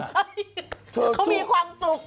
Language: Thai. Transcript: เขามีความสุข